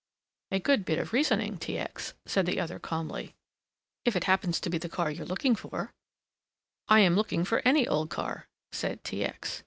"A good bit of reasoning, T. X.," said the other calmly, "if it happens to be the car you're looking for." "I am looking for any old car," said T. X.